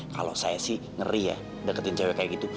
kalau saya sih ngeri ya deketin cewek kayak gitu